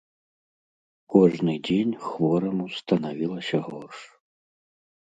Кожны дзень хвораму станавілася горш.